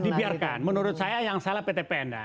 dibiarkan menurut saya yang salah ptpn